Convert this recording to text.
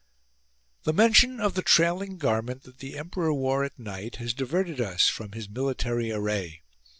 34. The mention of the trailing garment that the emperor wore at night has diverted us from his military array.